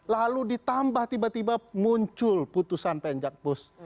lalu ditambah tiba tiba muncul putusan pn jakpus